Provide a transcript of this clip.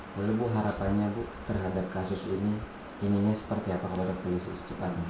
lalu bu harapannya bu terhadap kasus ini ininya seperti apa kepada polisi secepatnya